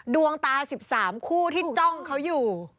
ดวงตา๑๓คู่ที่จ้องเขาอยู่